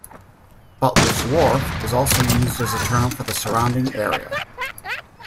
Butler's Wharf is also used as a term for the surrounding area.